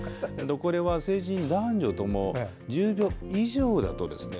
これは成人男女とも１０秒以上だとですね